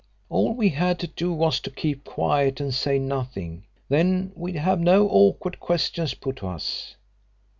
All we had to do was to keep quiet and say nothing; then we'd have no awkward questions put to us.